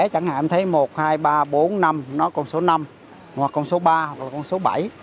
chẳng hạn thấy một hai ba bốn năm nó còn số năm hoặc con số ba hoặc con số bảy